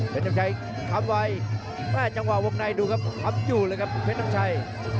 เป็นน้ำชัยคำไว้แม่จังหวะวงในดูครับทำอยู่เลยครับเพชรน้ำชัย